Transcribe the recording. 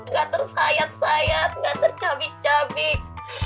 gak tersayat sayat nggak tercabik cabik